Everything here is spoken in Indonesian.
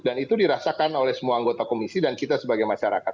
dan itu dirasakan oleh semua anggota komisi dan kita sebagai masyarakat